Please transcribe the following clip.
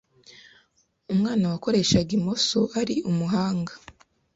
umwana wakoreshaga imoso ari umuhanga